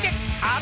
あ。